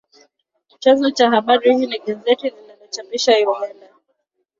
Chanzo cha habari hii ni gazeti linalochapishwa Uganda